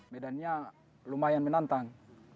medannya lumayan menantang